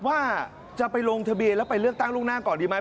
ว่าจะไปลงทะเบียนแล้วไปเลือกตั้งล่วงหน้าก่อนดีไหม